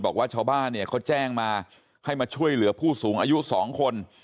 บอกว่าชาวบ้านเนี่ยเขาแจ้งมาให้มาช่วยเหลือผู้สูงอายุ๒คน